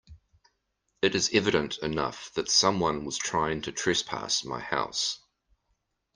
It is evident enough that someone was trying to trespass my house.